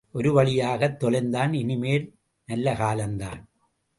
ஒருவழியாகத் தொலைந்தான், இனி மேல் நல்லகாலந்தான்.